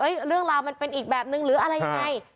เรื่องราวมันเป็นอีกแบบนึงหรืออะไรยังไง